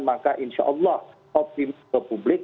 maka insya allah optimisme publik